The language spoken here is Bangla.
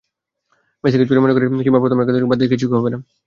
মেসিকে জরিমানা করে কিংবা প্রথম একাদশ থেকে বাদ দিয়ে কিছুই হবে না।